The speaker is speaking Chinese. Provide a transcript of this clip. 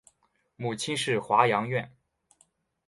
母亲是华阳院。